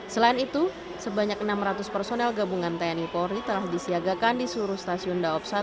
selain itu sebanyak enam ratus personel gabungan tni polri telah disiagakan di seluruh stasiun daob satu